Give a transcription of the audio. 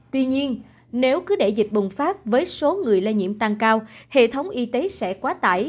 tuy nhiên nếu cứ để dịch bùng phát với số người lây nhiễm tăng cao hệ thống y tế sẽ quá tải